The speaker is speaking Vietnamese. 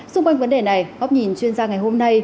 xung quanh vấn đề này góc nhìn chuyên gia ngày hôm nay